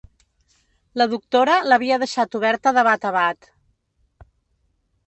La doctora l'havia deixat oberta de bat a bat.